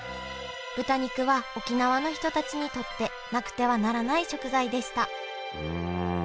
豚肉は沖縄の人たちにとってなくてはならない食材でしたうん。